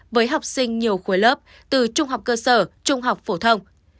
với học sinh nhiều khối lớp từ trung học cơ sở trung học phổ thông